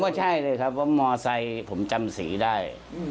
ผมก็ใช่เลยครับเพราะมอเตอร์ไซค์ผมจำสีได้